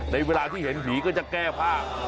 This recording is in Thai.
เวลาที่เห็นผีก็จะแก้ผ้า